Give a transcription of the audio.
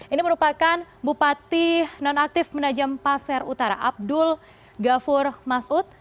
ini merupakan bupati nonaktif menajam pasir utara abdul ghafur masud